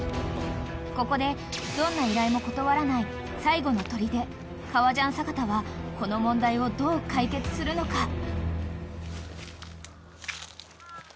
［ここでどんな依頼も断らない最後の砦革ジャン阪田はこの問題をどう解決するのか？］